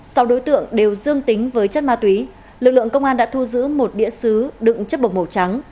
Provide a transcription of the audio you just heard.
sau đối tượng đều dương tính với chất ma túy lực lượng công an đã thu giữ một đĩa xứ đựng chất bột màu trắng